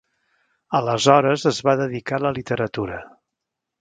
Aleshores es va dedicar a la literatura.